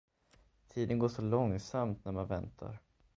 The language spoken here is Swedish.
Tiden går så långsamt när man väntar.